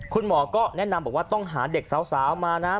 คุณหมอก็แนะนำบอกว่าต้องหาเด็กสาวมานะ